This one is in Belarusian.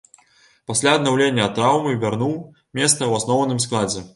Пасля аднаўлення ад траўмы вярнуў месца ў асноўным складзе.